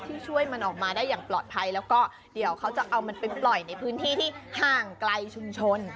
ช่วยมันออกมาได้อย่างปลอดภัยแล้วก็เดี๋ยวเขาจะเอามันไปปล่อยในพื้นที่ที่ห่างไกลชุมชน